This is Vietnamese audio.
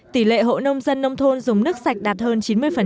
tỷ lệ hộ nông dân nông thôn dùng nước sạch đạt hơn chín mươi